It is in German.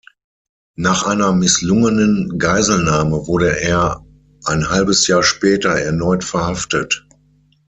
Nach einer misslungenen Geiselnahme wurde er ein halbes Jahr später erneut verhaftet.